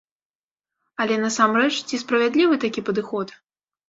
Але, насамрэч, ці справядлівы такі падыход?